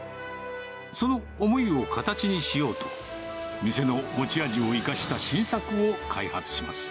その思いを形にしようと、店の持ち味を生かした新作を開発します。